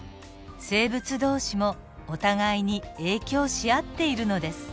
生物同士もお互いに影響し合っているのです。